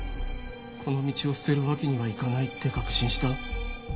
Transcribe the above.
この道を捨てるわけにはいかないって確信した。